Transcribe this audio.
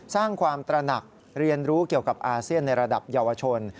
สร้างความตระหนักเรียนรู้เกี่ยวกับอาเซียนในระดับเยาวชน